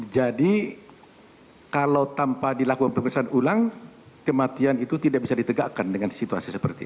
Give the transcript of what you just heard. jadi kalau tanpa dilakukan pemeriksaan ulang kematian itu tidak bisa ditegakkan dengan situasi seperti ini